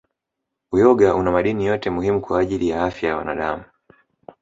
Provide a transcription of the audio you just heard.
Uyoga una madini yote muhimu kwa ajili ya afya ya mwanadamu